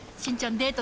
デート